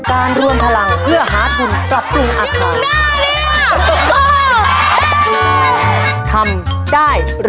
การร่วมทะลังเพื่อหาทุนปรับปรุงอาคาร